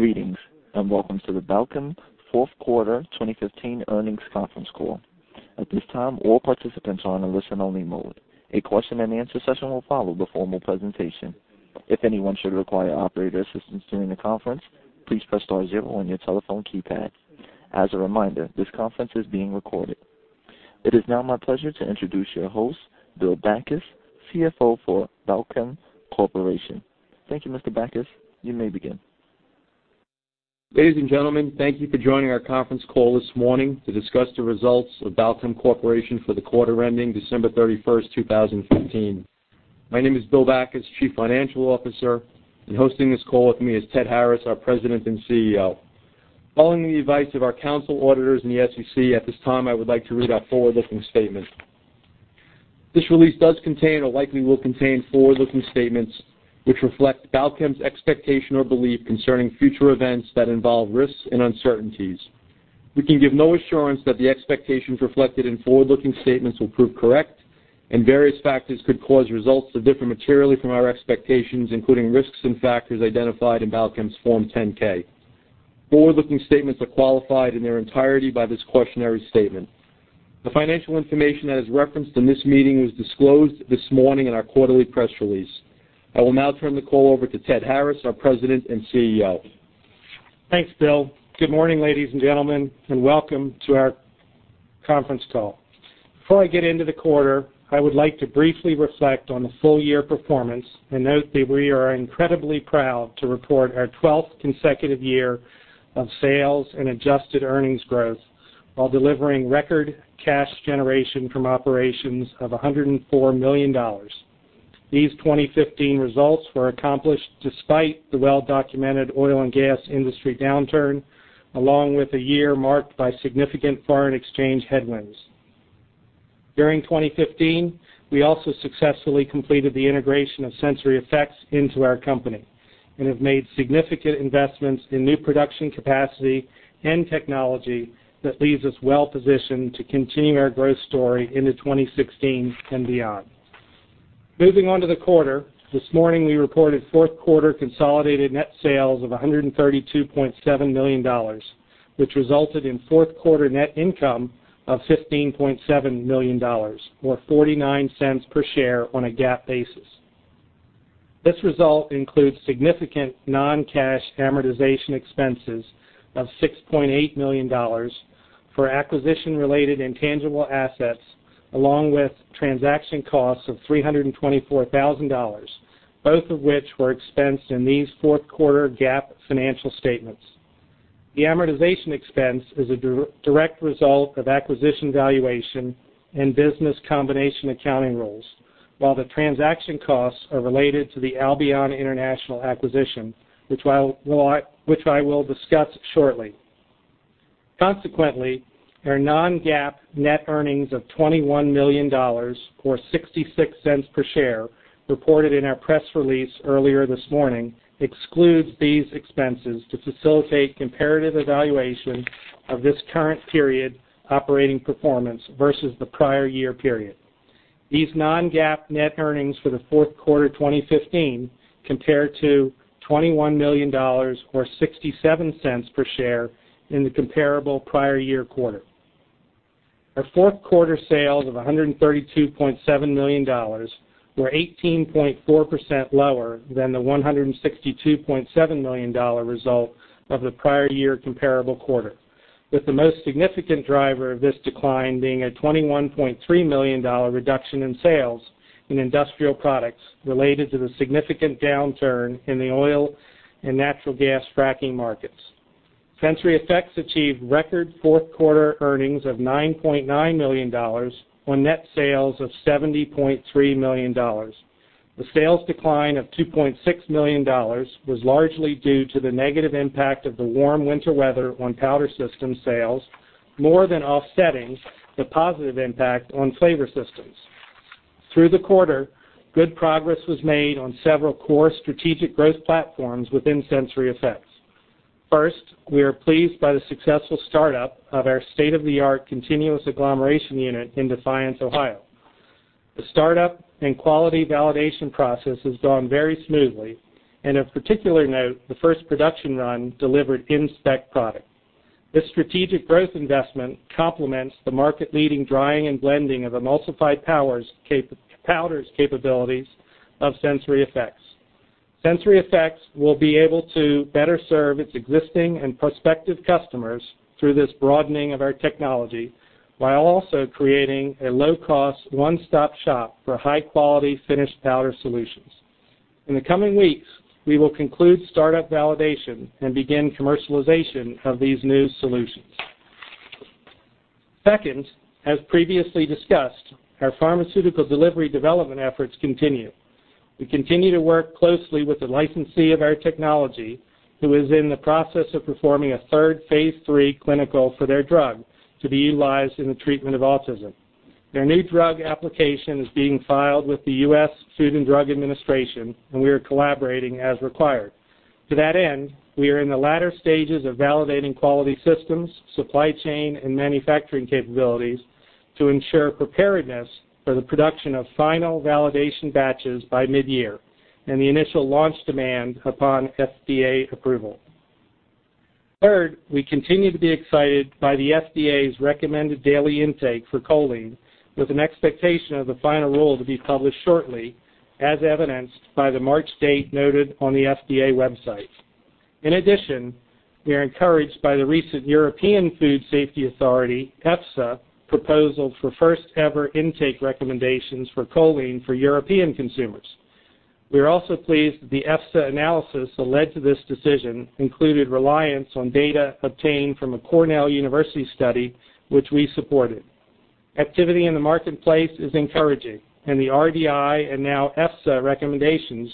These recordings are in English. Greetings, and welcome to the Balchem fourth quarter 2015 earnings conference call. At this time, all participants are on a listen-only mode. A question-and-answer session will follow the formal presentation. If anyone should require operator assistance during the conference, please press star zero on your telephone keypad. As a reminder, this conference is being recorded. It is now my pleasure to introduce your host, Bill Backus, CFO for Balchem Corporation. Thank you, Mr. Backus. You may begin. Ladies and gentlemen, thank you for joining our conference call this morning to discuss the results of Balchem Corporation for the quarter ending December 31st, 2015. My name is Bill Backus, Chief Financial Officer, and hosting this call with me is Ted Harris, our President and CEO. Following the advice of our council auditors and the SEC, at this time, I would like to read our forward-looking statement. This release does contain or likely will contain forward-looking statements which reflect Balchem's expectation or belief concerning future events that involve risks and uncertainties. We can give no assurance that the expectations reflected in forward-looking statements will prove correct, and various factors could cause results to differ materially from our expectations, including risks and factors identified in Balchem's Form 10-K. Forward-looking statements are qualified in their entirety by this cautionary statement. The financial information that is referenced in this meeting was disclosed this morning in our quarterly press release. I will now turn the call over to Ted Harris, our President and CEO. Thanks, Bill. Good morning, ladies and gentlemen, and welcome to our conference call. Before I get into the quarter, I would like to briefly reflect on the full-year performance and note that we are incredibly proud to report our 12th consecutive year of sales and adjusted earnings growth while delivering record cash generation from operations of $104 million. These 2015 results were accomplished despite the well-documented oil and gas industry downturn, along with a year marked by significant foreign exchange headwinds. During 2015, we also successfully completed the integration of SensoryEffects into our company and have made significant investments in new production capacity and technology that leaves us well positioned to continue our growth story into 2016 and beyond. Moving on to the quarter, this morning we reported fourth quarter consolidated net sales of $132.7 million, which resulted in fourth quarter net income of $15.7 million, or $0.49 per share on a GAAP basis. This result includes significant non-cash amortization expenses of $6.8 million for acquisition-related intangible assets, along with transaction costs of $324,000, both of which were expensed in these fourth quarter GAAP financial statements. The amortization expense is a direct result of acquisition valuation and business combination accounting rules, while the transaction costs are related to the Albion International acquisition, which I will discuss shortly. Consequently, our non-GAAP net earnings of $21 million, or $0.66 per share, reported in our press release earlier this morning excludes these expenses to facilitate comparative evaluation of this current period operating performance versus the prior year period. These non-GAAP net earnings for the fourth quarter 2015 compared to $21 million or $0.67 per share in the comparable prior year quarter. Our fourth quarter sales of $132.7 million were 18.4% lower than the $162.7 million result of the prior year comparable quarter, with the most significant driver of this decline being a $21.3 million reduction in sales in industrial products related to the significant downturn in the oil and natural gas fracking markets. SensoryEffects achieved record fourth-quarter earnings of $9.9 million on net sales of $70.3 million. The sales decline of $2.6 million was largely due to the negative impact of the warm winter weather on powder system sales, more than offsetting the positive impact on flavor systems. Through the quarter, good progress was made on several core strategic growth platforms within SensoryEffects. First, we are pleased by the successful startup of our state-of-the-art continuous agglomeration unit in Defiance, Ohio. The startup and quality validation process has gone very smoothly, and of particular note, the first production run delivered in-spec product. This strategic growth investment complements the market-leading drying and blending of emulsified powders capabilities of SensoryEffects. SensoryEffects will be able to better serve its existing and prospective customers through this broadening of our technology while also creating a low-cost, one-stop shop for high-quality finished powder solutions. In the coming weeks, we will conclude startup validation and begin commercialization of these new solutions. Second, as previously discussed, our pharmaceutical delivery development efforts continue. We continue to work closely with the licensee of our technology who is in the process of performing a third phase III clinical for their drug to be utilized in the treatment of autism. Their New Drug Application is being filed with the U.S. Food and Drug Administration, and we are collaborating as required. To that end, we are in the latter stages of validating quality systems, supply chain, and manufacturing capabilities to ensure preparedness for the production of final validation batches by mid-year and the initial launch demand upon FDA approval. Third, we continue to be excited by the FDA's recommended daily intake for choline, with an expectation of the final rule to be published shortly, as evidenced by the March date noted on the FDA website. In addition, we are encouraged by the recent European Food Safety Authority, EFSA, proposal for first-ever intake recommendations for choline for European consumers. We are also pleased that the EFSA analysis that led to this decision included reliance on data obtained from a Cornell University study, which we supported. Activity in the marketplace is encouraging, and the RDI, and now EFSA recommendations,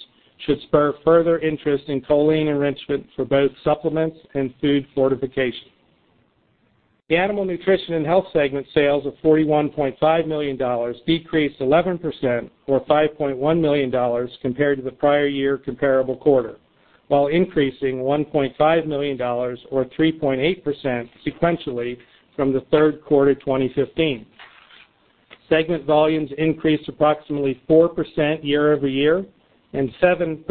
should spur further interest in choline enrichment for both supplements and food fortification. The Animal Nutrition and Health segment sales of $41.5 million decreased 11%, or $5.1 million compared to the prior year comparable quarter, while increasing $1.5 million or 3.8% sequentially from the third quarter 2015. Segment volumes increased approximately 4% year-over-year and 7%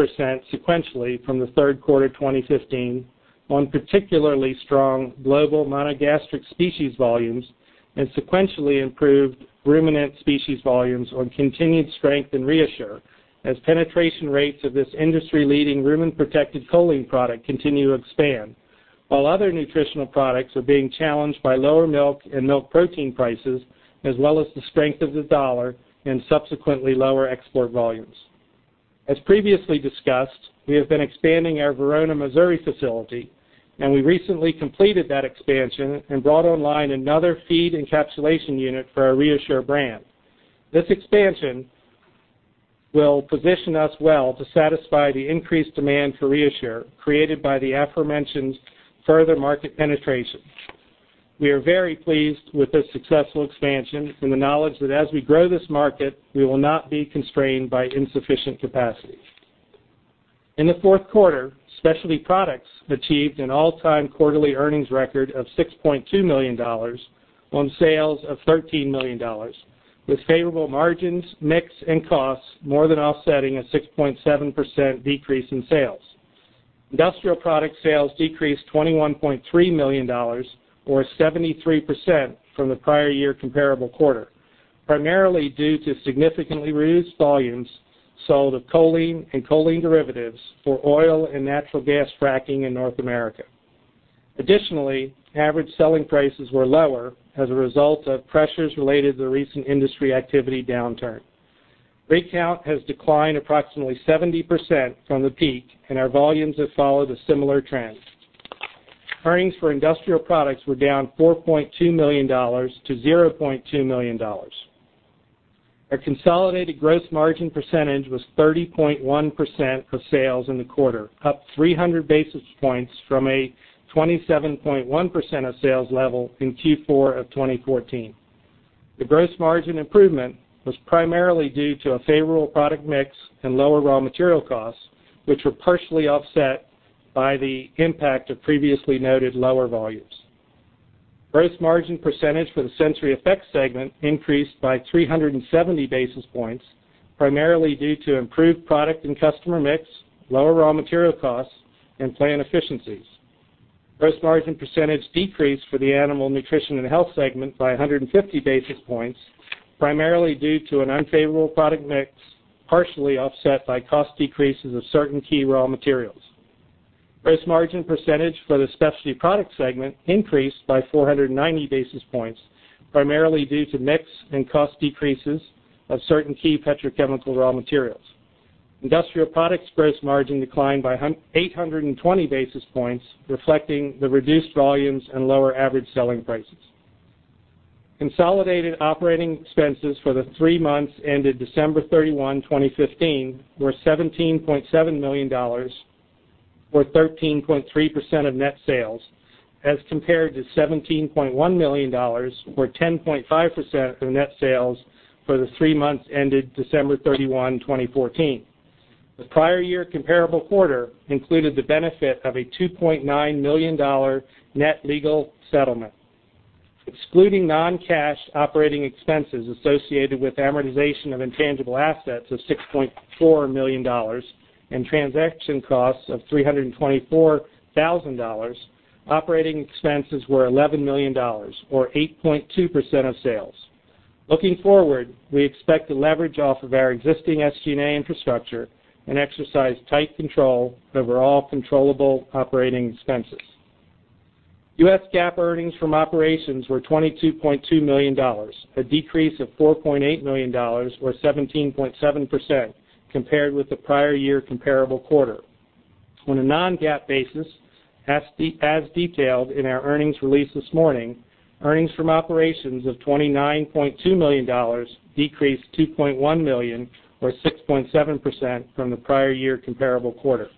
sequentially from the third quarter 2015 on particularly strong global monogastric species volumes and sequentially improved ruminant species volumes on continued strength in ReaShure as penetration rates of this industry-leading rumen-protected choline product continue to expand. While other nutritional products are being challenged by lower milk and milk protein prices, as well as the strength of the dollar and subsequently lower export volumes. As previously discussed, we have been expanding our Verona, Missouri facility, and we recently completed that expansion and brought online another feed encapsulation unit for our ReaShure brand. This expansion will position us well to satisfy the increased demand for ReaShure created by the aforementioned further market penetration. We are very pleased with this successful expansion and the knowledge that as we grow this market, we will not be constrained by insufficient capacity. In the fourth quarter, Specialty Products achieved an all-time quarterly earnings record of $6.2 million on sales of $13 million, with favorable margins, mix, and costs more than offsetting a 6.7% decrease in sales. Industrial Products sales decreased $21.3 million, or 73%, from the prior year comparable quarter, primarily due to significantly reduced volumes sold of choline and choline derivatives for oil and natural gas fracking in North America. Additionally, average selling prices were lower as a result of pressures related to the recent industry activity downturn. Rig count has declined approximately 70% from the peak, and our volumes have followed a similar trend. Earnings for Industrial Products were down $4.2 million to $0.2 million. Our consolidated gross margin percentage was 30.1% of sales in the quarter, up 300 basis points from a 27.1% of sales level in Q4 of 2014. The gross margin improvement was primarily due to a favorable product mix and lower raw material costs, which were partially offset by the impact of previously noted lower volumes. Gross margin percentage for the SensoryEffects segment increased by 370 basis points, primarily due to improved product and customer mix, lower raw material costs, and plant efficiencies. Gross margin percentage decreased for the Animal Nutrition and Health segment by 150 basis points, primarily due to an unfavorable product mix, partially offset by cost decreases of certain key raw materials. Gross margin percentage for the Specialty Products segment increased by 490 basis points, primarily due to mix and cost decreases of certain key petrochemical raw materials. Industrial Products' gross margin declined by 820 basis points, reflecting the reduced volumes and lower average selling prices. Consolidated operating expenses for the three months ended December 31, 2015, were $17.7 million, or 13.3% of net sales, as compared to $17.1 million or 10.5% of net sales for the three months ended December 31, 2014. The prior year comparable quarter included the benefit of a $2.9 million net legal settlement. Excluding non-cash operating expenses associated with amortization of intangible assets of $6.4 million and transaction costs of $324,000, operating expenses were $11 million, or 8.2% of sales. Looking forward, we expect to leverage off of our existing SG&A infrastructure and exercise tight control over all controllable operating expenses. U.S. GAAP earnings from operations were $22.2 million, a decrease of $4.8 million, or 17.7%, compared with the prior year comparable quarter. On a non-GAAP basis, as detailed in our earnings release this morning, earnings from operations of $29.2 million decreased $2.1 million or 6.7% from the prior year comparable quarter.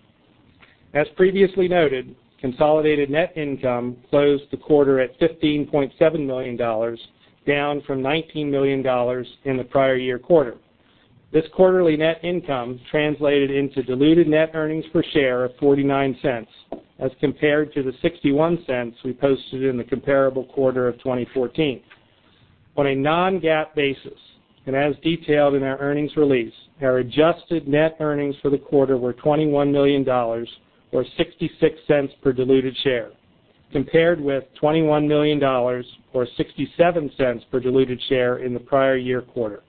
As previously noted, consolidated net income closed the quarter at $15.7 million, down from $19 million in the prior year quarter. This quarterly net income translated into diluted net earnings per share of $0.49 as compared to the $0.61 we posted in the comparable quarter of 2014. On a non-GAAP basis, and as detailed in our earnings release, our adjusted net earnings for the quarter were $21 million, or $0.66 per diluted share, compared with $21 million, or $0.67 per diluted share in the prior year quarter.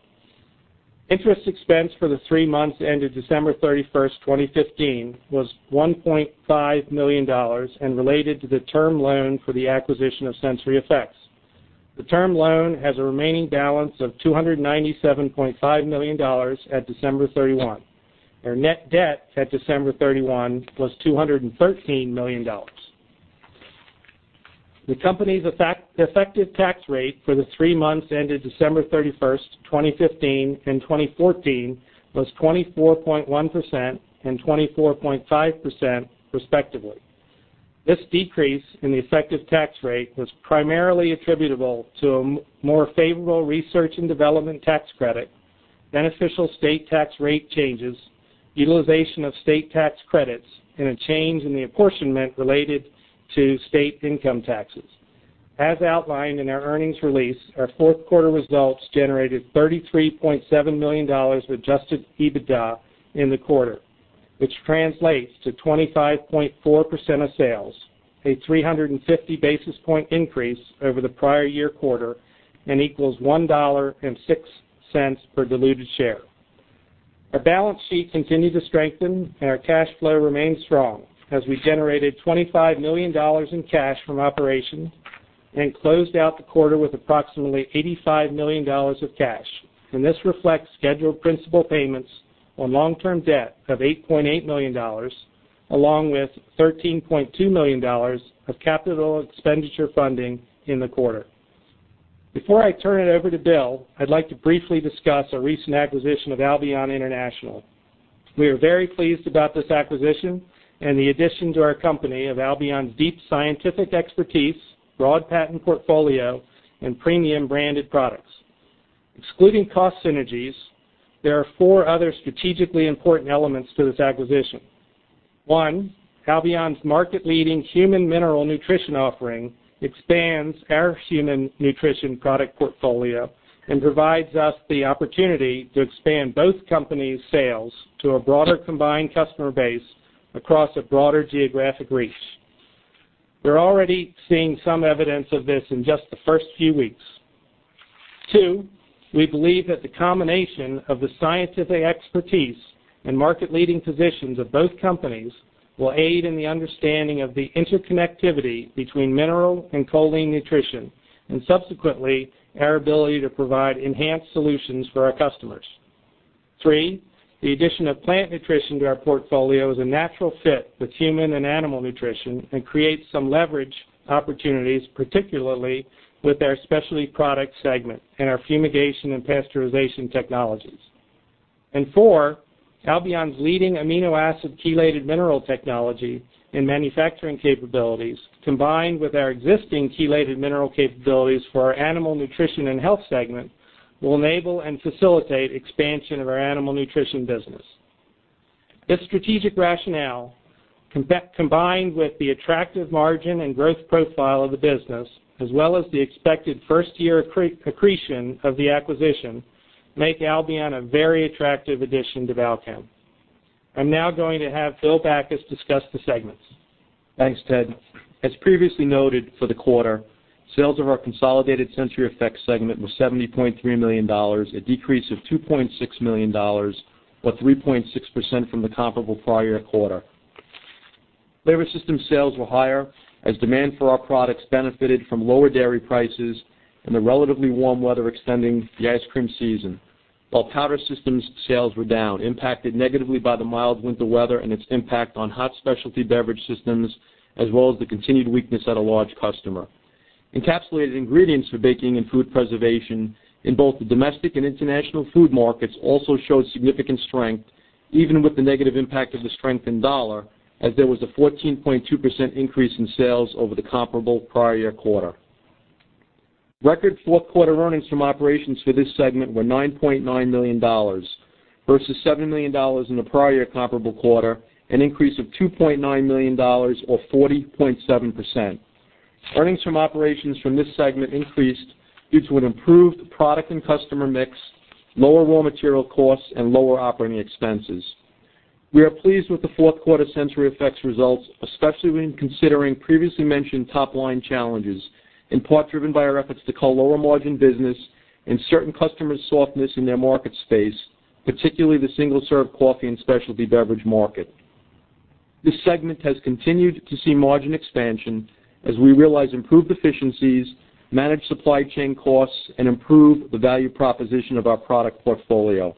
Interest expense for the three months ended December 31st, 2015 was $1.5 million and related to the term loan for the acquisition of SensoryEffects. The term loan has a remaining balance of $297.5 million at December 31. Our net debt at December 31 was $213 million. The company's effective tax rate for the three months ended December 31st, 2015, and 2014 was 24.1% and 24.5% respectively. This decrease in the effective tax rate was primarily attributable to a more favorable research and development tax credit, beneficial state tax rate changes, utilization of state tax credits, and a change in the apportionment related to state income taxes. As outlined in our earnings release, our fourth quarter results generated $33.7 million of adjusted EBITDA in the quarter, which translates to 25.4% of sales, a 350 basis point increase over the prior year quarter, and equals $1.06 per diluted share. Our balance sheet continued to strengthen, and our cash flow remains strong as we generated $25 million in cash from operation and closed out the quarter with approximately $85 million of cash, and this reflects scheduled principal payments on long-term debt of $8.8 million, along with $13.2 million of capital expenditure funding in the quarter. Before I turn it over to Bill, I'd like to briefly discuss our recent acquisition of Albion International. We are very pleased about this acquisition and the addition to our company of Albion's deep scientific expertise, broad patent portfolio, and premium branded products. Excluding cost synergies, there are four other strategically important elements to this acquisition. One, Albion's market-leading human mineral nutrition offering expands our human nutrition product portfolio and provides us the opportunity to expand both companies' sales to a broader combined customer base across a broader geographic reach. We're already seeing some evidence of this in just the first few weeks. Two, we believe that the combination of the scientific expertise and market-leading positions of both companies will aid in the understanding of the interconnectivity between mineral and choline nutrition, and subsequently, our ability to provide enhanced solutions for our customers. Three, the addition of plant nutrition to our portfolio is a natural fit with human and animal nutrition and creates some leverage opportunities, particularly with our specialty product segment and our fumigation and pasteurization technologies. Four, Albion's leading amino acid chelated mineral technology and manufacturing capabilities, combined with our existing chelated mineral capabilities for our Animal Nutrition and Health segment, will enable and facilitate expansion of our animal nutrition business. This strategic rationale, combined with the attractive margin and growth profile of the business, as well as the expected first year accretion of the acquisition, make Albion a very attractive addition to Balchem. I'm now going to have Bill Backus discuss the segments. Thanks, Ted. As previously noted for the quarter, sales of our consolidated SensoryEffects segment was $70.3 million, a decrease of $2.6 million, or 3.6% from the comparable prior quarter. Flavor system sales were higher as demand for our products benefited from lower dairy prices and the relatively warm weather extending the ice cream season. While powder systems sales were down, impacted negatively by the mild winter weather and its impact on hot specialty beverage systems, as well as the continued weakness at a large customer. Encapsulated ingredients for baking and food preservation in both the domestic and international food markets also showed significant strength, even with the negative impact of the strengthened dollar, as there was a 14.2% increase in sales over the comparable prior year quarter. Record fourth quarter earnings from operations for this segment were $9.9 million versus $7 million in the prior comparable quarter, an increase of $2.9 million or 40.7%. Earnings from operations from this segment increased due to an improved product and customer mix, lower raw material costs, and lower operating expenses. We are pleased with the fourth quarter SensoryEffects results, especially when considering previously mentioned top-line challenges, in part driven by our efforts to cull lower margin business and certain customer softness in their market space, particularly the single-serve coffee and specialty beverage market. This segment has continued to see margin expansion as we realize improved efficiencies, manage supply chain costs, and improve the value proposition of our product portfolio.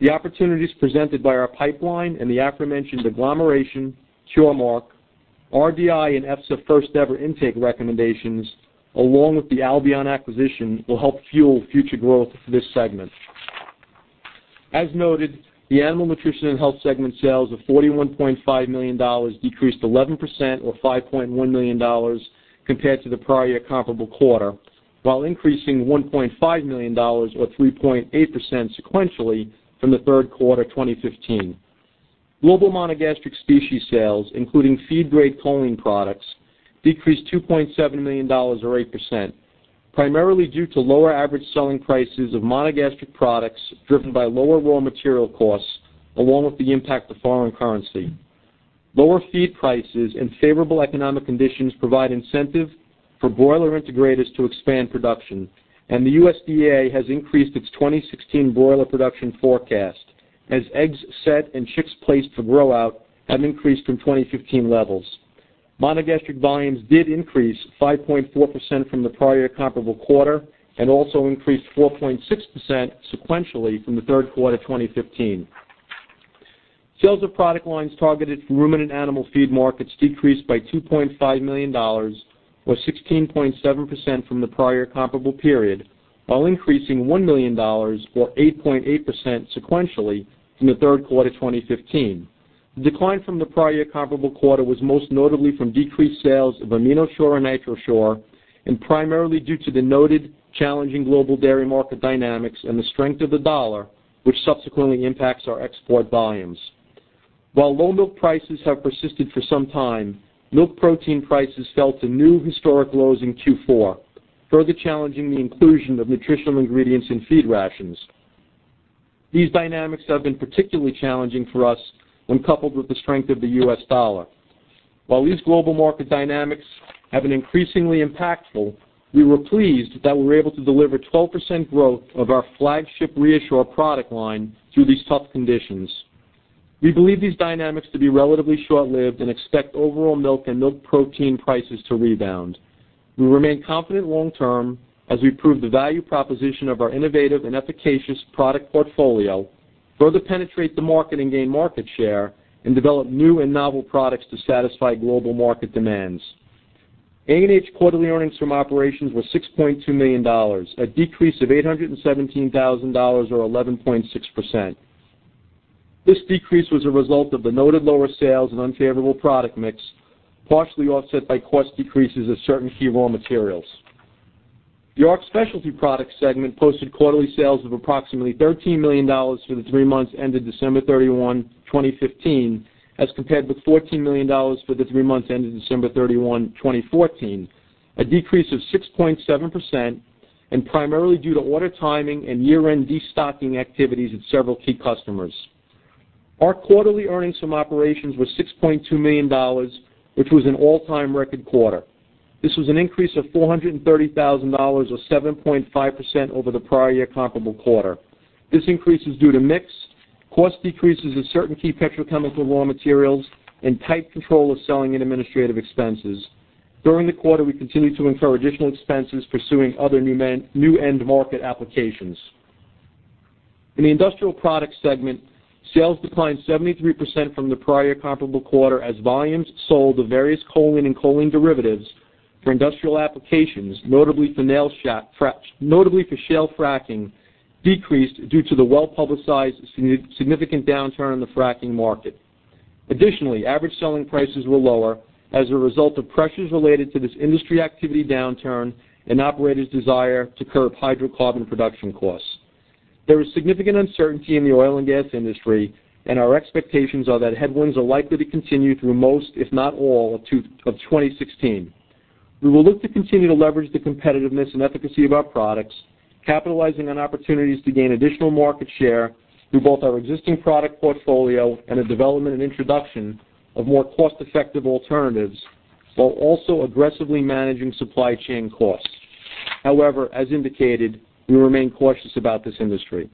The opportunities presented by our pipeline and the aforementioned agglomeration, PureMark, RDI and EFSA first-ever intake recommendations, along with the Albion acquisition, will help fuel future growth for this segment. As noted, the Animal Nutrition and Health segment sales of $41.5 million decreased 11%, or $5.1 million, compared to the prior year comparable quarter, while increasing $1.5 million or 3.8% sequentially from the third quarter 2015. Global monogastric species sales, including feed-grade choline products, decreased $2.7 million, or 8%, primarily due to lower average selling prices of monogastric products driven by lower raw material costs, along with the impact of foreign currency. Lower feed prices and favorable economic conditions provide incentive for broiler integrators to expand production, and the USDA has increased its 2016 broiler production forecast as eggs set and chicks placed for grow-out have increased from 2015 levels. Monogastric volumes did increase 5.4% from the prior comparable quarter and also increased 4.6% sequentially from the third quarter 2015. Sales of product lines targeted for ruminant animal feed markets decreased by $2.5 million, or 16.7%, from the prior comparable period, while increasing $1 million, or 8.8%, sequentially from the third quarter 2015. The decline from the prior comparable quarter was most notably from decreased sales of AminoShure and NitroShure, and primarily due to the noted challenging global dairy market dynamics and the strength of the dollar, which subsequently impacts our export volumes. While low milk prices have persisted for some time, milk protein prices fell to new historic lows in Q4, further challenging the inclusion of nutritional ingredients in feed rations. These dynamics have been particularly challenging for us when coupled with the strength of the U.S. dollar. While these global market dynamics have been increasingly impactful, we were pleased that we were able to deliver 12% growth of our flagship ReaShure product line through these tough conditions. We believe these dynamics to be relatively short-lived and expect overall milk and milk protein prices to rebound. We remain confident long term as we prove the value proposition of our innovative and efficacious product portfolio, further penetrate the market and gain market share, and develop new and novel products to satisfy global market demands. A&H quarterly earnings from operations were $6.2 million, a decrease of $817,000, or 11.6%. This decrease was a result of the noted lower sales and unfavorable product mix, partially offset by cost decreases of certain key raw materials. The ARC Specialty Products Segment posted quarterly sales of approximately $13 million for the three months ended December 31, 2015, as compared with $14 million for the three months ended December 31, 2014, a decrease of 6.7% and primarily due to order timing and year-end destocking activities at several key customers. Our quarterly earnings from operations were $6.2 million, which was an all-time record quarter. This was an increase of $430,000, or 7.5%, over the prior year comparable quarter. This increase is due to mix, cost decreases of certain key petrochemical raw materials, and tight control of selling and administrative expenses. During the quarter, we continued to incur additional expenses pursuing other new end market applications. In the Industrial Products Segment, sales declined 73% from the prior comparable quarter as volumes sold of various choline and choline derivatives for industrial applications, notably for shale fracking, decreased due to the well-publicized significant downturn in the fracking market. Additionally, average selling prices were lower as a result of pressures related to this industry activity downturn and operators' desire to curb hydrocarbon production costs. There is significant uncertainty in the oil and gas industry. Our expectations are that headwinds are likely to continue through most, if not all, of 2016. We will look to continue to leverage the competitiveness and efficacy of our products, capitalizing on opportunities to gain additional market share through both our existing product portfolio and the development and introduction of more cost-effective alternatives, while also aggressively managing supply chain costs. However, as indicated, we remain cautious about this industry.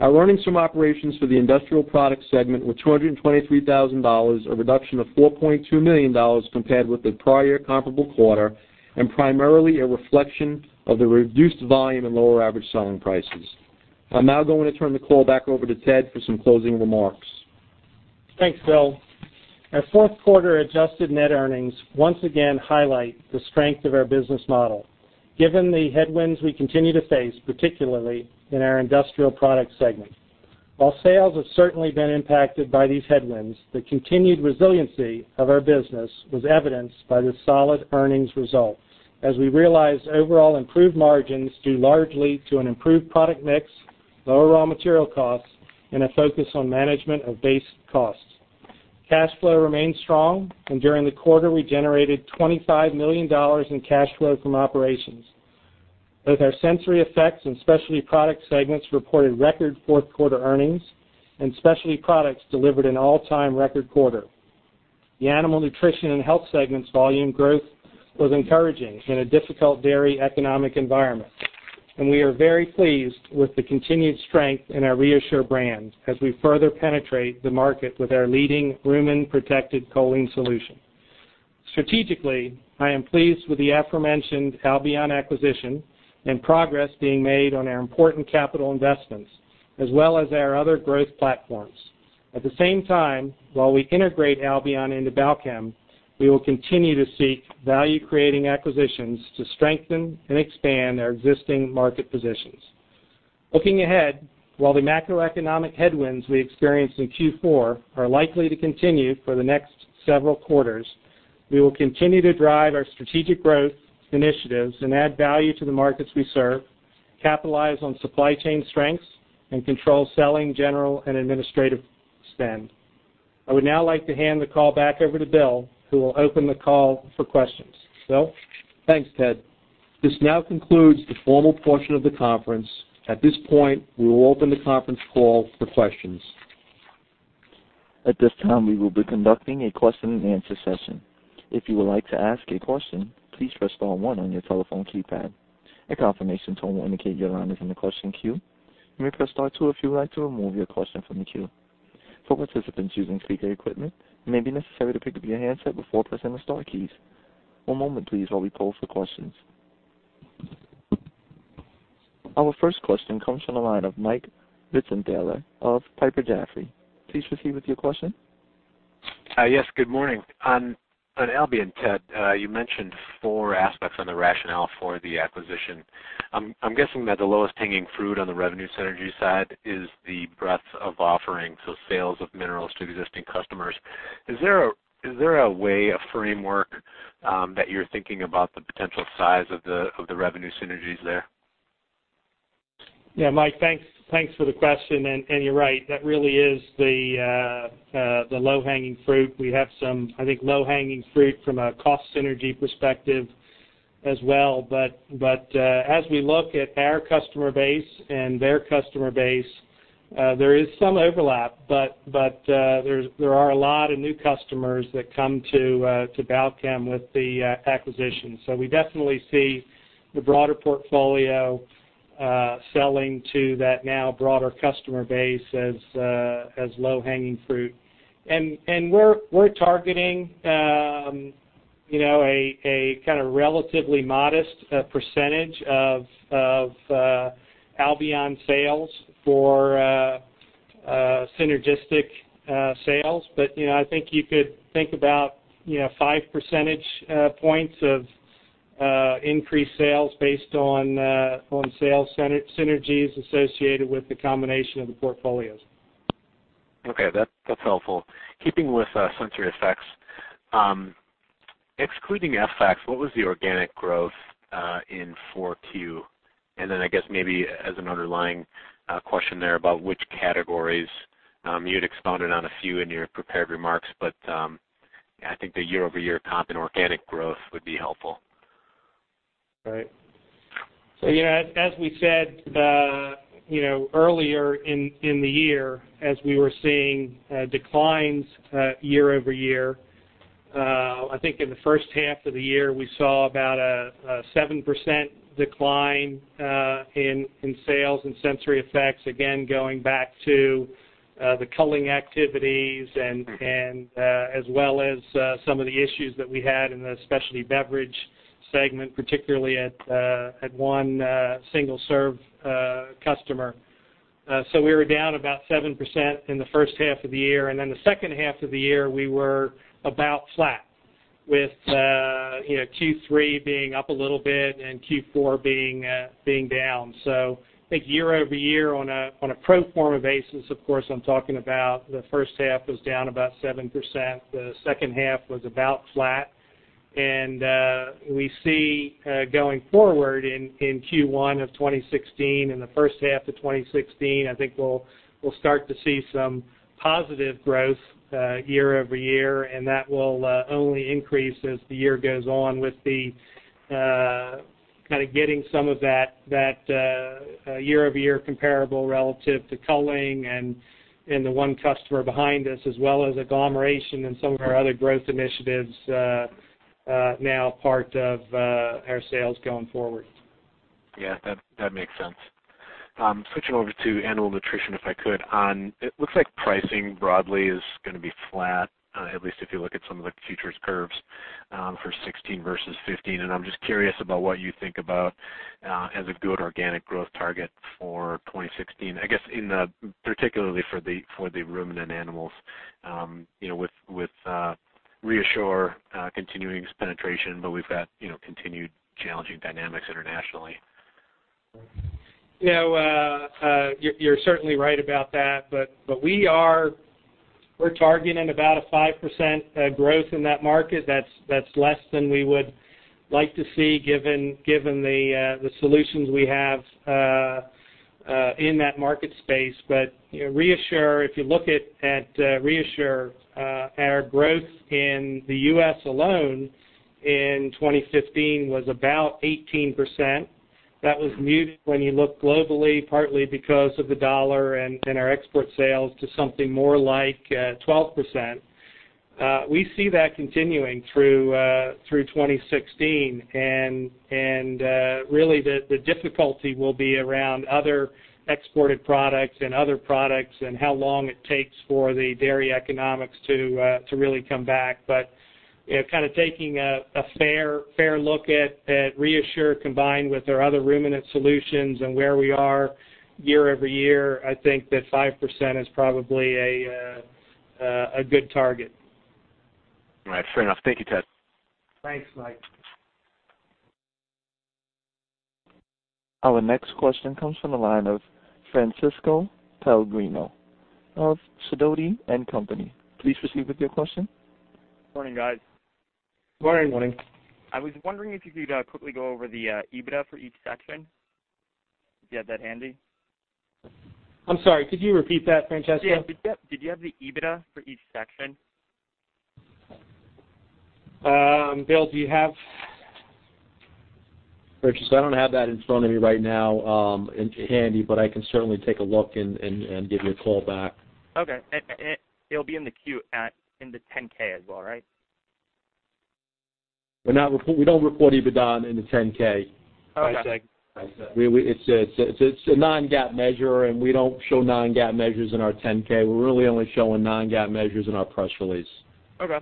Our earnings from operations for the Industrial Products Segment were $223,000, a reduction of $4.2 million compared with the prior comparable quarter and primarily a reflection of the reduced volume and lower average selling prices. I'm now going to turn the call back over to Ted for some closing remarks. Thanks, Bill. Our fourth quarter-adjusted net earnings once again highlight the strength of our business model, given the headwinds we continue to face, particularly in our Industrial Products segment. While sales have certainly been impacted by these headwinds, the continued resiliency of our business was evidenced by the solid earnings result as we realized overall improved margins due largely to an improved product mix, lower raw material costs, and a focus on management of base costs. Cash flow remained strong, and during the quarter, we generated $25 million in cash flow from operations. Both our SensoryEffects and Specialty Products segments reported record fourth quarter earnings, and Specialty Products delivered an all-time record quarter. The Animal Nutrition and Health segment's volume growth was encouraging in a difficult dairy economic environment, and we are very pleased with the continued strength in our ReaShure brand as we further penetrate the market with our leading rumen-protected choline solution. Strategically, I am pleased with the aforementioned Albion acquisition and progress being made on our important capital investments, as well as our other growth platforms. At the same time, while we integrate Albion into Balchem, we will continue to seek value-creating acquisitions to strengthen and expand our existing market positions. Looking ahead, while the macroeconomic headwinds we experienced in Q4 are likely to continue for the next several quarters, we will continue to drive our strategic growth initiatives and add value to the markets we serve. Capitalize on supply chain strengths, and control selling, general, and administrative spend. I would now like to hand the call back over to Bill, who will open the call for questions. Bill? Thanks, Ted. This now concludes the formal portion of the conference. At this point, we will open the conference call for questions. At this time, we will be conducting a question and answer session. If you would like to ask a question, please press star one on your telephone keypad. A confirmation tone will indicate your line is in the question queue. You may press star two if you would like to remove your question from the queue. For participants using speaker equipment, it may be necessary to pick up your handset before pressing the star keys. One moment please while we poll for questions. Our first question comes from the line of Mike Ritzenthaler of Piper Jaffray. Please proceed with your question. Yes, good morning. On Albion, Ted, you mentioned four aspects on the rationale for the acquisition. I'm guessing that the lowest hanging fruit on the revenue synergy side is the breadth of offerings, so sales of minerals to existing customers. Is there a way, a framework, that you're thinking about the potential size of the revenue synergies there? Yeah, Mike, thanks for the question. You're right, that really is the low-hanging fruit. We have some, I think, low-hanging fruit from a cost synergy perspective as well. As we look at our customer base and their customer base, there is some overlap, but there are a lot of new customers that come to Balchem with the acquisition. We definitely see the broader portfolio selling to that now broader customer base as low-hanging fruit. We're targeting a kind of relatively modest percentage of Albion sales for synergistic sales. I think you could think about five percentage points of increased sales based on sales synergies associated with the combination of the portfolios. Okay. That's helpful. Keeping with SensoryEffects, excluding FX, what was the organic growth in 4Q? Then I guess maybe as an underlying question there about which categories. You had expounded on a few in your prepared remarks, but I think the year-over-year comp in organic growth would be helpful. Right. As we said earlier in the year, as we were seeing declines year-over-year, I think in the first half of the year, we saw about a 7% decline in sales in SensoryEffects, again, going back to the culling activities and as well as some of the issues that we had in the specialty beverage segment, particularly at one single-serve customer. We were down about 7% in the first half of the year, the second half of the year, we were about flat with Q3 being up a little bit and Q4 being down. I think year-over-year on a pro forma basis, of course, I'm talking about the first half was down about 7%, the second half was about flat. We see going forward in Q1 of 2016 and the first half to 2016, I think we'll start to see some positive growth year-over-year, that will only increase as the year goes on with the kind of getting some of that year-over-year comparable relative to culling and the one customer behind us as well as agglomeration and some of our other growth initiatives now part of our sales going forward. Yeah, that makes sense. Switching over to Animal Nutrition, if I could. It looks like pricing broadly is going to be flat, at least if you look at some of the futures curves for 2016 versus 2015. I'm just curious about what you think about as a good organic growth target for 2016, I guess particularly for the ruminant animals with ReaShure continuing its penetration, we've got continued challenging dynamics internationally. You're certainly right about that, we're targeting about a 5% growth in that market. That's less than we would like to see given the solutions we have in that market space. ReaShure, if you look at ReaShure, our growth in the U.S. alone in 2015 was about 18%. That was muted when you look globally, partly because of the dollar and our export sales to something more like 12%. We see that continuing through 2016, really, the difficulty will be around other exported products and other products and how long it takes for the dairy economics to really come back. Taking a fair look at ReaShure combined with our other ruminant solutions and where we are year-over-year, I think that 5% is probably a good target. All right. Fair enough. Thank you, Ted. Thanks, Mike. Our next question comes from the line of Francesco Pellegrino of Sidoti & Company. Please proceed with your question. Morning, guys. Good morning. I was wondering if you could quickly go over the EBITDA for each section, if you have that handy. I'm sorry, could you repeat that, Francesco? Yeah. Did you have the EBITDA for each section? Bill, do you have Francesco, I don't have that in front of me right now handy, but I can certainly take a look and give you a call back. Okay. It'll be in the Q in the 10-K as well, right? We don't report EBITDA in the 10-K. Okay. It's a non-GAAP measure, and we don't show non-GAAP measures in our 10-K. We're really only showing non-GAAP measures in our press release. Okay.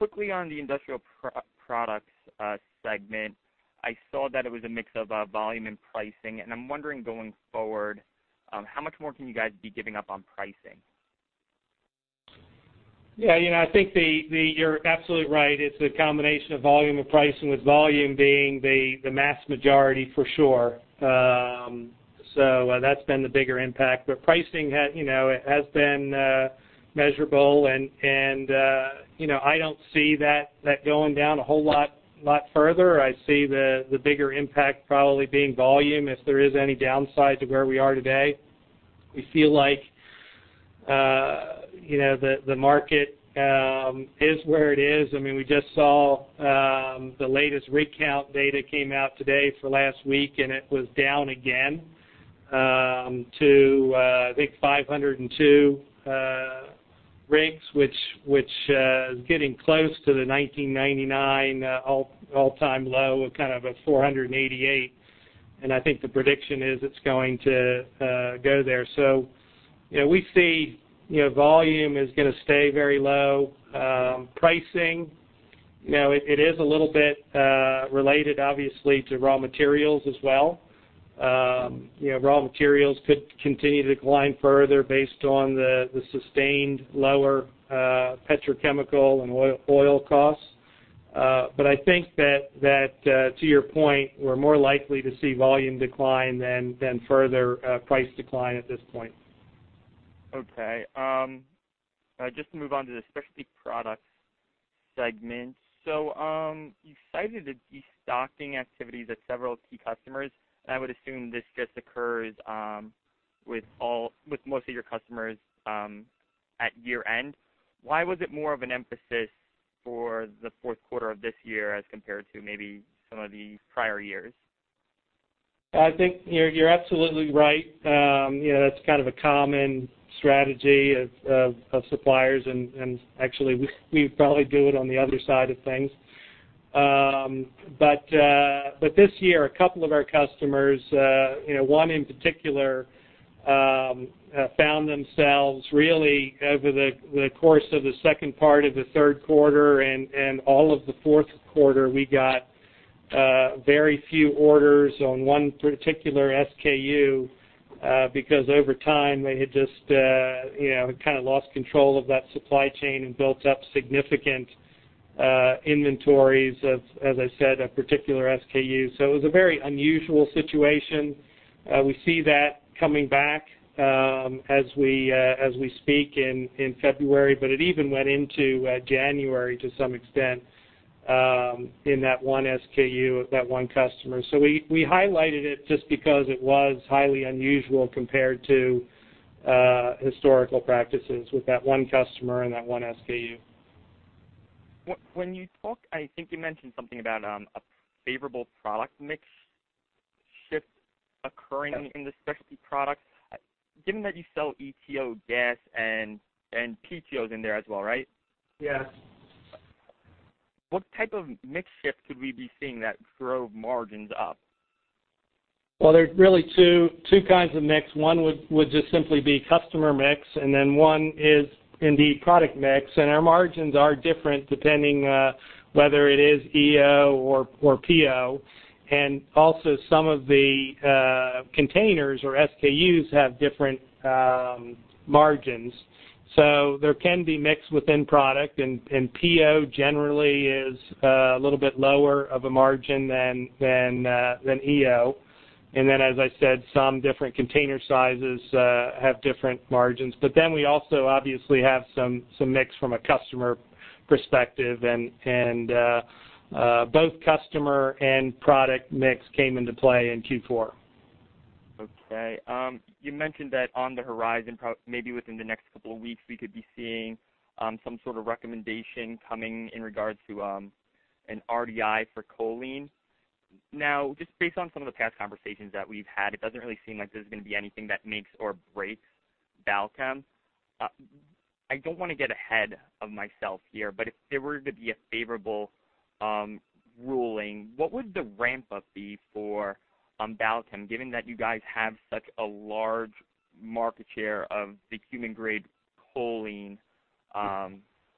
Quickly on the industrial products segment, I saw that it was a mix of volume and pricing, and I'm wondering going forward, how much more can you guys be giving up on pricing? Yeah, I think you're absolutely right. It's a combination of volume and pricing, with volume being the mass majority for sure. That's been the bigger impact. Pricing, it has been measurable and I don't see that going down a whole lot further. I see the bigger impact probably being volume, if there is any downside to where we are today. We feel like the market is where it is. We just saw the latest rig count data came out today for last week, and it was down again to, I think, 502 rigs, which is getting close to the 1999 all-time low of 488. I think the prediction is it's going to go there. We see volume is going to stay very low. Pricing, it is a little bit related, obviously, to raw materials as well. Raw materials could continue to decline further based on the sustained lower petrochemical and oil costs. I think that to your point, we're more likely to see volume decline than further price decline at this point. You cited the de-stocking activities at several key customers, and I would assume this just occurs with most of your customers at year-end. Why was it more of an emphasis for the fourth quarter of this year as compared to maybe some of the prior years? I think you're absolutely right. That's kind of a common strategy of suppliers and actually, we probably do it on the other side of things. This year, a couple of our customers, one in particular, found themselves really over the course of the second part of the third quarter and all of the fourth quarter, we got very few orders on one particular SKU, because over time, they had just lost control of that supply chain and built up significant inventories of, as I said, a particular SKU. It was a very unusual situation. We see that coming back as we speak in February, but it even went into January to some extent, in that one SKU of that one customer. We highlighted it just because it was highly unusual compared to historical practices with that one customer and that one SKU. I think you mentioned something about a favorable product mix shift occurring in the specialty products. Given that you sell EO, DAS, and POs in there as well, right? Yes. What type of mix shift could we be seeing that drove margins up? There is really two kinds of mix. One would just simply be customer mix, and one is indeed product mix, and our margins are different depending whether it is EO or PO. Also some of the containers or SKUs have different margins. There can be mix within product, and PO generally is a little bit lower of a margin than EO. As I said, some different container sizes have different margins. We also obviously have some mix from a customer perspective and both customer and product mix came into play in Q4. Okay. You mentioned that on the horizon, maybe within the next couple of weeks, we could be seeing some sort of recommendation coming in regards to an RDI for choline. Now, just based on some of the past conversations that we've had, it does not really seem like there is going to be anything that makes or breaks Balchem. I do not want to get ahead of myself here, but if there were to be a favorable ruling, what would the ramp-up be for Balchem, given that you guys have such a large market share of the human-grade choline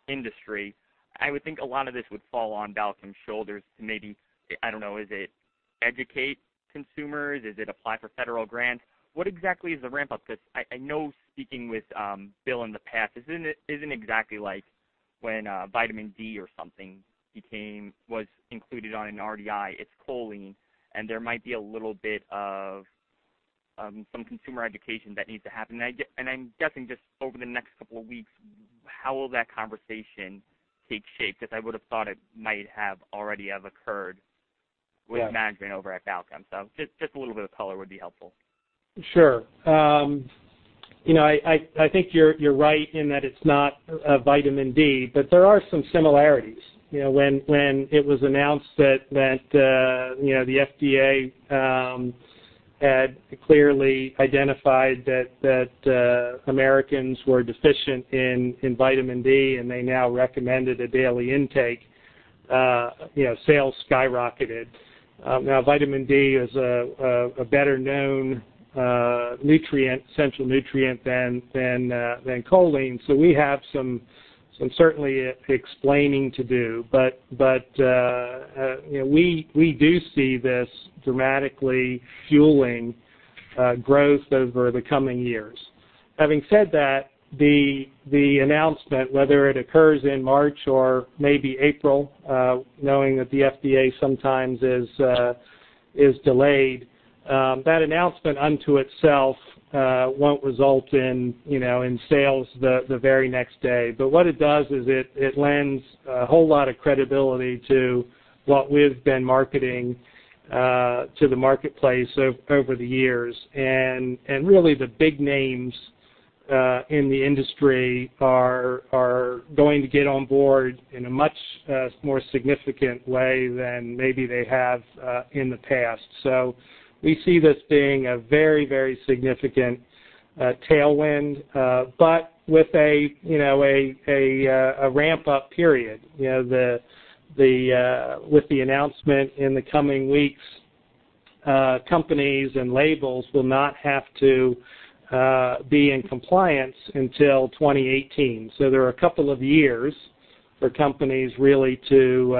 industry? I would think a lot of this would fall on Balchem's shoulders to maybe, I do not know, is it educate consumers? Is it apply for federal grants? What exactly is the ramp-up? I know speaking with Bill in the past, this is not exactly like when vitamin D or something was included on an RDI. It is choline, and there might be Some consumer education that needs to happen. I am guessing just over the next couple of weeks, how will that conversation take shape? Because I would have thought it might have already have occurred. Yeah with management over at Balchem. Just a little bit of color would be helpful. Sure. I think you're right in that it's not a vitamin D, but there are some similarities. When it was announced that the FDA had clearly identified that Americans were deficient in vitamin D, and they now recommended a daily intake, sales skyrocketed. Vitamin D is a better known nutrient, essential nutrient than choline. We have some certainly explaining to do. We do see this dramatically fueling growth over the coming years. Having said that, the announcement, whether it occurs in March or maybe April, knowing that the FDA sometimes is delayed. That announcement unto itself, won't result in sales the very next day. What it does is it lends a whole lot of credibility to what we've been marketing to the marketplace over the years. Really, the big names in the industry are going to get on board in a much more significant way than maybe they have in the past. We see this being a very, very significant tailwind, but with a ramp-up period. With the announcement in the coming weeks, companies and labels will not have to be in compliance until 2018. There are a couple of years for companies really to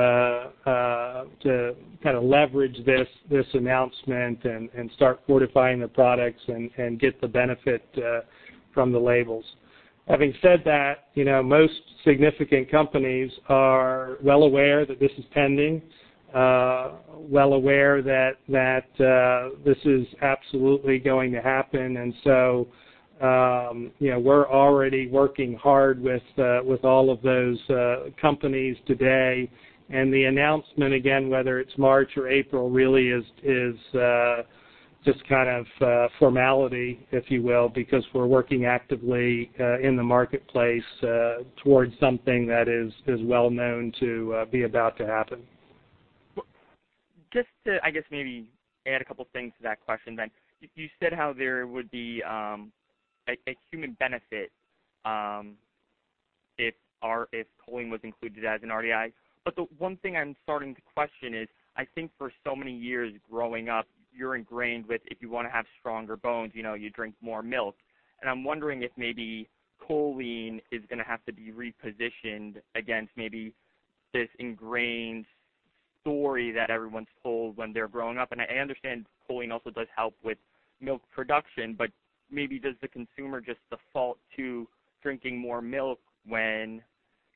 leverage this announcement and start fortifying their products and get the benefit from the labels. Having said that, most significant companies are well aware that this is pending, well aware that this is absolutely going to happen. We're already working hard with all of those companies today. The announcement, again, whether it's March or April, really is just kind of a formality, if you will, because we're working actively in the marketplace towards something that is well known to be about to happen. Just to, I guess, maybe add a couple of things to that question then. You said how there would be a human benefit if choline was included as an RDI. The one thing I'm starting to question is, I think for so many years growing up, you're ingrained with, if you want to have stronger bones, you drink more milk. I'm wondering if maybe choline is going to have to be repositioned against maybe this ingrained story that everyone's told when they're growing up. I understand choline also does help with milk production. Maybe does the consumer just default to drinking more milk when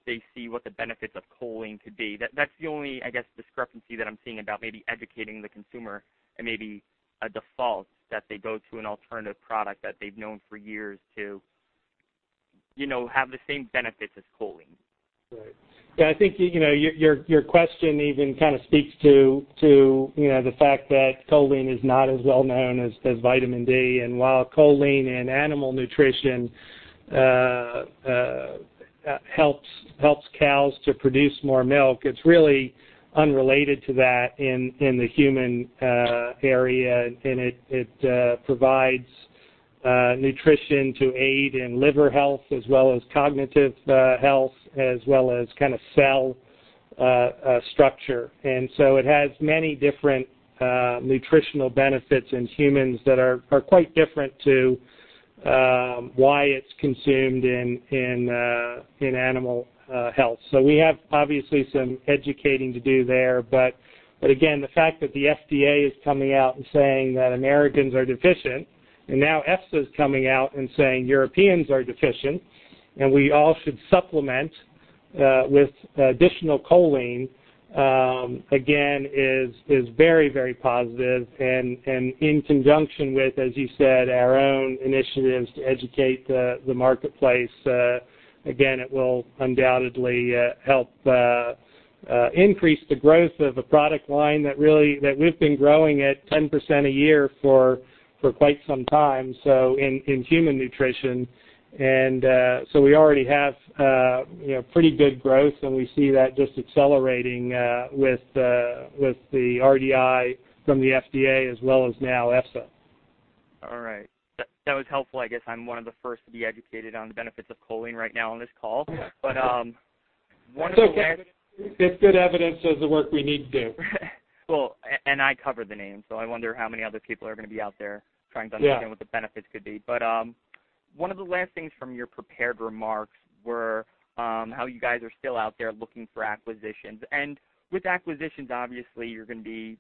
they see what the benefits of choline could be? That's the only, I guess, discrepancy that I'm seeing about maybe educating the consumer and maybe a default that they go to an alternative product that they've known for years to have the same benefits as choline. Right. Yeah, I think your question even speaks to the fact that choline is not as well known as vitamin D. While choline and animal nutrition helps cows to produce more milk, it's really unrelated to that in the human area. It provides nutrition to aid in liver health as well as cognitive health, as well as cell structure. It has many different nutritional benefits in humans that are quite different to why it's consumed in animal health. We have obviously some educating to do there. Again, the fact that the FDA is coming out and saying that Americans are deficient. Now EFSA is coming out and saying Europeans are deficient. We all should supplement with additional choline, again, is very, very positive. In conjunction with, as you said, our own initiatives to educate the marketplace, again, it will undoubtedly help increase the growth of a product line that we've been growing at 10% a year for quite some time in human nutrition. We already have pretty good growth. We see that just accelerating with the RDI from the FDA as well as now EFSA. All right. That was helpful. I guess I'm one of the first to be educated on the benefits of choline right now on this call. It's okay. It's good evidence there's the work we need to do. Well, I cover the name. I wonder how many other people are going to be out there. Yeah Understand what the benefits could be. One of the last things from your prepared remarks were how you guys are still out there looking for acquisitions. With acquisitions, obviously, you're going to be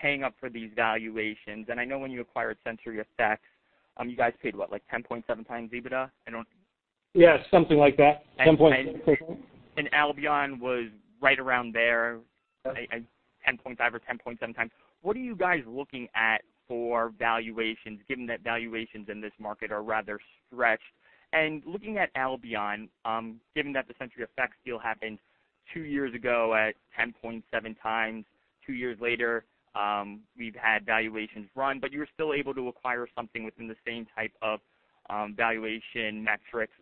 paying up for these valuations. I know when you acquired SensoryEffects, you guys paid what? Like 10.7 times EBITDA? Yes, something like that. Albion was right around there, 10.5 or 10.7 times. What are you guys looking at for valuations, given that valuations in this market are rather stretched? Looking at Albion, given that the SensoryEffects deal happened 2 years ago at 10.7 times, 2 years later, we've had valuations run, but you were still able to acquire something within the same type of valuation metrics.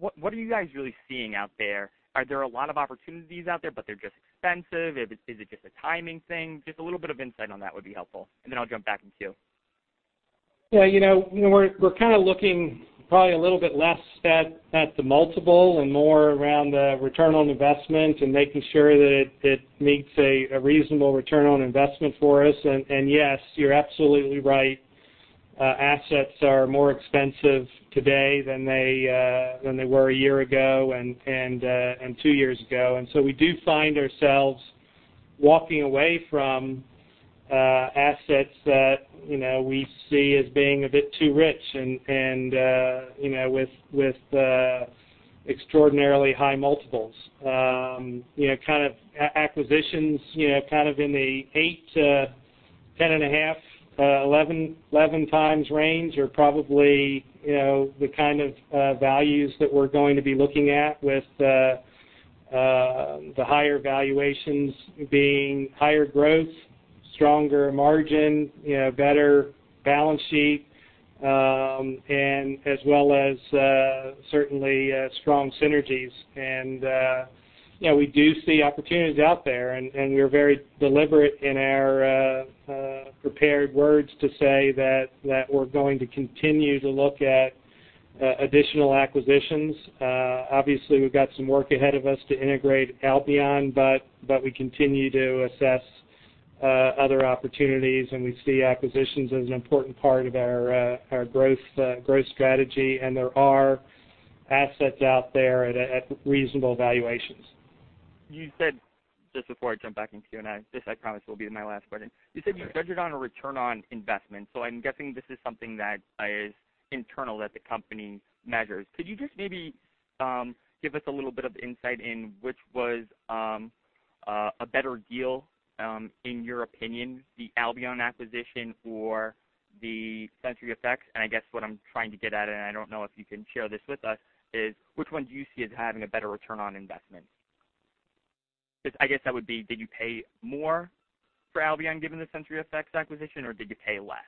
What are you guys really seeing out there? Are there a lot of opportunities out there, but they're just expensive? Is it just a timing thing? Just a little bit of insight on that would be helpful. I'll jump back in queue. We're looking probably a little bit less at the multiple and more around the return on investment and making sure that it meets a reasonable return on investment for us. Yes, you're absolutely right. Assets are more expensive today than they were a year ago and 2 years ago. We do find ourselves walking away from assets that we see as being a bit too rich and with extraordinarily high multiples. Acquisitions in the 8 to 10.5, 11 times range are probably the kind of values that we're going to be looking at with the higher valuations being higher growth, stronger margin, better balance sheet, and as well as certainly, strong synergies. We do see opportunities out there, and we are very deliberate in our prepared words to say that we're going to continue to look at additional acquisitions. Obviously, we've got some work ahead of us to integrate Albion, but we continue to assess other opportunities, and we see acquisitions as an important part of our growth strategy. There are assets out there at reasonable valuations. You said, just before I jump back in queue, this, I promise, will be my last question. You said you judge it on a return on investment. I'm guessing this is something that is internal that the company measures. Could you just maybe give us a little bit of insight in which was a better deal, in your opinion, the Albion acquisition or the SensoryEffects? I guess what I'm trying to get at, and I don't know if you can share this with us, is which one do you see as having a better return on investment? Because I guess that would be, did you pay more for Albion given the SensoryEffects acquisition, or did you pay less?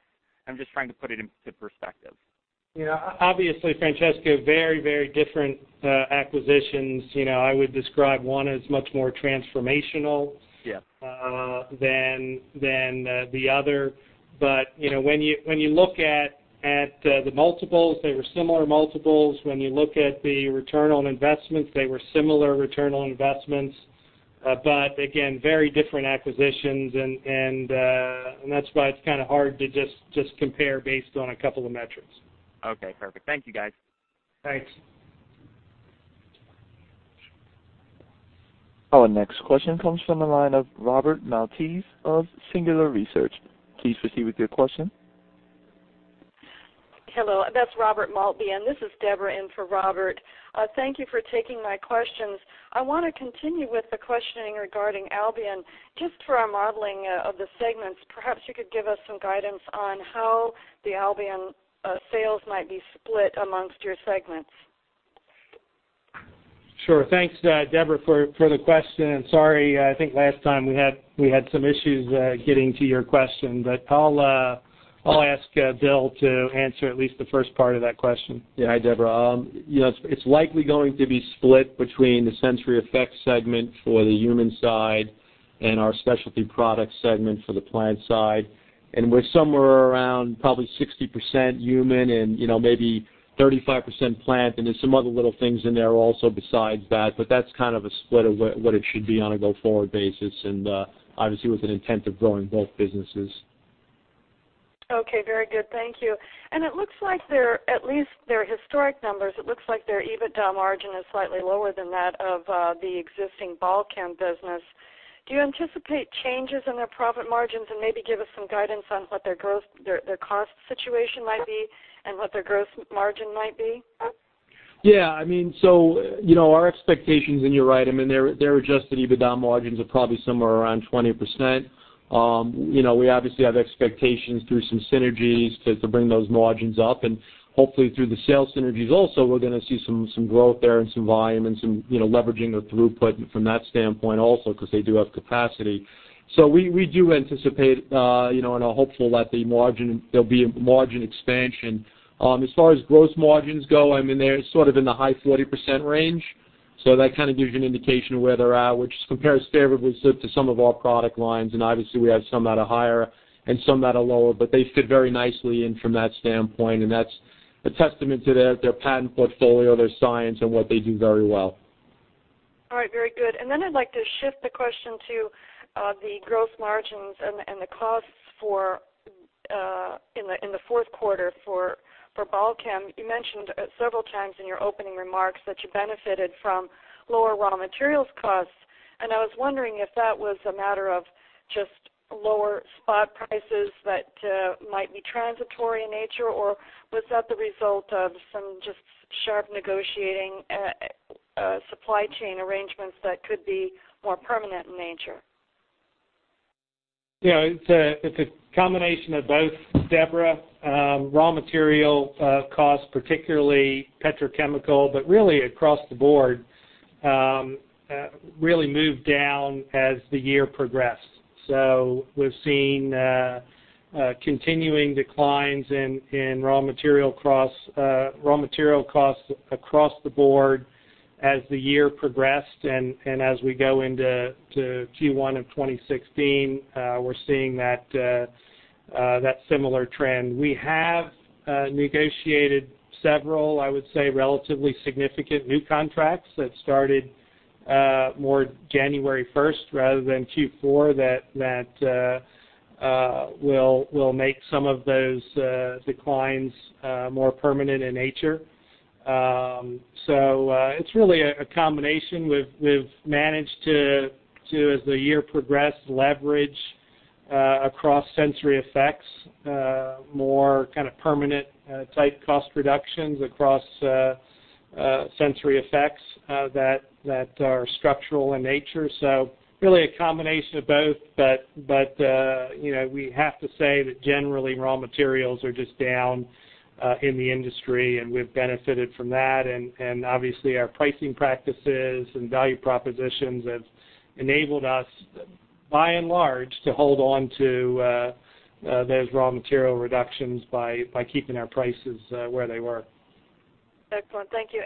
I'm just trying to put it into perspective. Yeah. Obviously, Francesco, very different acquisitions. I would describe one as much more transformational- Yeah than the other. But when you look at the multiples, they were similar multiples. When you look at the return on investments, they were similar return on investments. But again, very different acquisitions, and that's why it's kind of hard to just compare based on a couple of metrics. Okay, perfect. Thank you, guys. Thanks. Our next question comes from the line of Robert Maltbie of Singular Research. Please proceed with your question. Hello. That's Robert Maltbie, this is Deborah in for Robert. Thank you for taking my questions. I want to continue with the questioning regarding Albion. Just for our modeling of the segments, perhaps you could give us some guidance on how the Albion sales might be split amongst your segments. Sure. Thanks, Deborah, for the question. Sorry, I think last time we had some issues getting to your question. I'll ask Bill to answer at least the first part of that question. Hi, Deborah. It's likely going to be split between the SensoryEffects segment for the human side and our Specialty Products segment for the plant side. We're somewhere around probably 60% human and maybe 35% plant, there's some other little things in there also besides that. That's kind of a split of what it should be on a go-forward basis, obviously, with an intent of growing both businesses. Okay. Very good. Thank you. It looks like their, at least their historic numbers, it looks like their EBITDA margin is slightly lower than that of the existing Balchem business. Do you anticipate changes in their profit margins? Maybe give us some guidance on what their cost situation might be and what their gross margin might be. Yeah. Our expectations, and you're right, their adjusted EBITDA margins are probably somewhere around 20%. We obviously have expectations through some synergies to bring those margins up, hopefully, through the sales synergies also, we're going to see some growth there and some volume and some leveraging of throughput from that standpoint also, because they do have capacity. We do anticipate, and are hopeful that there'll be a margin expansion. As far as gross margins go, they're sort of in the high 40% range. That kind of gives you an indication of where they're at, which compares favorably to some of our product lines. Obviously, we have some that are higher and some that are lower, but they fit very nicely in from that standpoint, and that's a testament to their patent portfolio, their science, and what they do very well. All right, very good. Then I'd like to shift the question to the gross margins and the costs in the fourth quarter for Balchem. You mentioned several times in your opening remarks that you benefited from lower raw materials costs. I was wondering if that was a matter of just lower spot prices that might be transitory in nature, or was that the result of some just sharp negotiating supply chain arrangements that could be more permanent in nature? Yeah. It's a combination of both, Deborah. Raw material costs, particularly petrochemical, but really across the board, really moved down as the year progressed. We've seen continuing declines in raw material costs across the board as the year progressed and as we go into Q1 of 2016, we're seeing that similar trend. We have negotiated several, I would say, relatively significant new contracts that started more January 1st rather than Q4 that will make some of those declines more permanent in nature. It's really a combination. We've managed to, as the year progressed, leverage across SensoryEffects, more kind of permanent type cost reductions across SensoryEffects that are structural in nature. Really a combination of both, but we have to say that generally raw materials are just down in the industry and we've benefited from that. Obviously, our pricing practices and value propositions have enabled us, by and large, to hold on to those raw material reductions by keeping our prices where they were. Excellent. Thank you.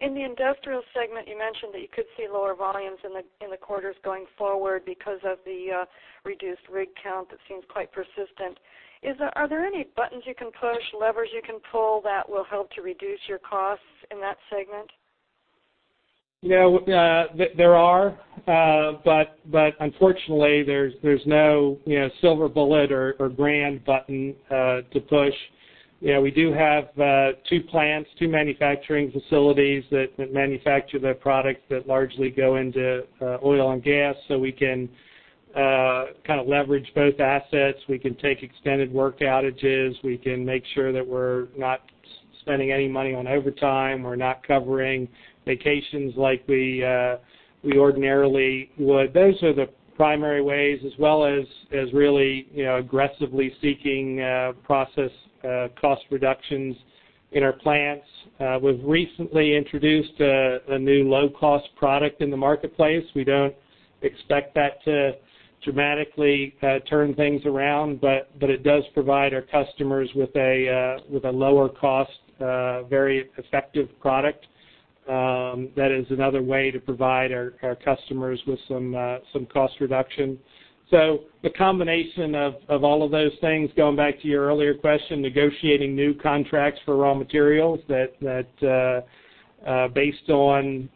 In the industrial segment, you mentioned that you could see lower volumes in the quarters going forward because of the reduced rig count that seems quite persistent. Are there any buttons you can push, levers you can pull that will help to reduce your costs in that segment? There are, unfortunately, there's no silver bullet or grand button to push. We do have two plants, two manufacturing facilities that manufacture the products that largely go into oil and gas, so we can leverage both assets. We can take extended work outages. We can make sure that we're not spending any money on overtime. We're not covering vacations like we ordinarily would. Those are the primary ways, as well as really aggressively seeking process cost reductions in our plants. We've recently introduced a new low-cost product in the marketplace. We don't expect that to dramatically turn things around, but it does provide our customers with a lower cost, very effective product. That is another way to provide our customers with some cost reduction. The combination of all of those things, going back to your earlier question, negotiating new contracts for raw materials that based on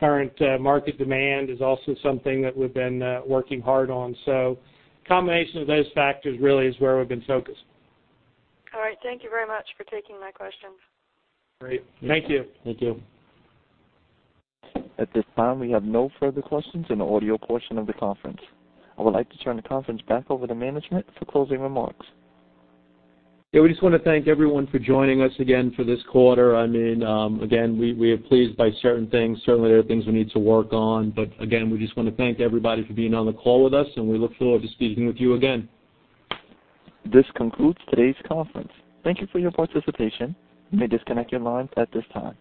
current market demand is also something that we've been working hard on. A combination of those factors really is where we've been focused. All right. Thank you very much for taking my questions. Great. Thank you. Thank you. At this time, we have no further questions in the audio portion of the conference. I would like to turn the conference back over to management for closing remarks. Yeah, we just want to thank everyone for joining us again for this quarter. Again, we are pleased by certain things. Certainly, there are things we need to work on, but again, we just want to thank everybody for being on the call with us, and we look forward to speaking with you again. This concludes today's conference. Thank you for your participation. You may disconnect your lines at this time.